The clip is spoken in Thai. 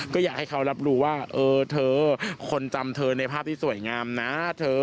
ก็อยากให้เขารับรู้ว่าเออเธอคนจำเธอในภาพที่สวยงามนะเธอ